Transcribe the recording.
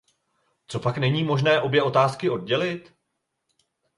Copak není možné obě otázky oddělit?